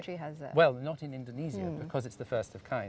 tidak ada di indonesia karena ini